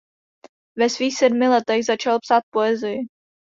Ve svých sedmi letech začal psát poezii.